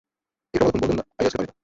ইকরামা তখন বললেন, আইয়াসকে পানি দাও।